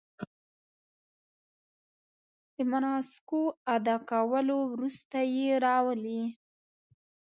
د مناسکو ادا کولو وروسته یې راولي.